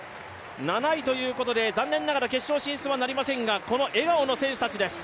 ７位ということで残念ながら決勝進出はなりまりせんがこの笑顔の選手たちです。